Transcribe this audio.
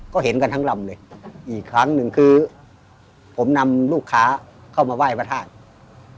ก็เห็นกันทั้งลำเลยอีกครั้งหนึ่งคือผมนำลูกค้าเข้ามาไหว้พระธาตุ